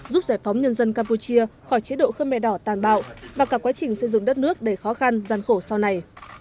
giúp giải phóng nhân dân campuchia khỏi chế độ khơi mè đỏ tàn bạo và cả quá trình xây dựng đất nước để khó khăn gian khổ sau này